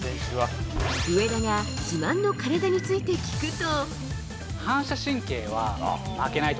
上田が自慢の体について聞くと。